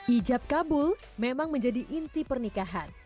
ijab kabul memang menjadi inti pernikahan